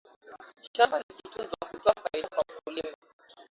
shamba likitunzwa hutoa faida kwa mkulima